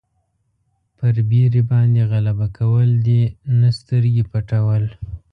پر بېرې باندې غلبه کول دي نه سترګې پټول.